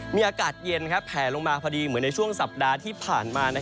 มีอากาศเย็นแผลลงมาพอดีเหมือนในช่วงสัปดาห์ที่ผ่านมา